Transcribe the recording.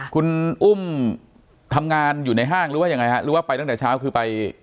คุณอุ้มทำงานอยู่ในห้างหรือว่ายังไงฮะหรือว่าไปตั้งแต่เช้าคือไป